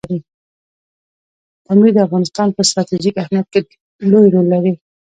پامیر د افغانستان په ستراتیژیک اهمیت کې لوی رول لري.